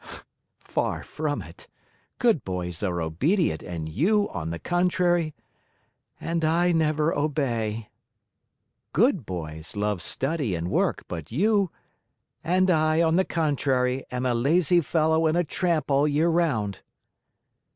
"Far from it! Good boys are obedient, and you, on the contrary " "And I never obey." "Good boys love study and work, but you " "And I, on the contrary, am a lazy fellow and a tramp all year round."